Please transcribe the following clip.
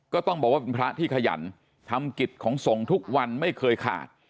ก็ต้องบอกว่าเป็นพระที่ขยันทำกิจของส่งทุกวันไม่เคยขาด